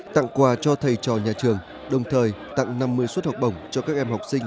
tặng quà cho thầy trò nhà trường đồng thời tặng năm mươi suất học bổng cho các em học sinh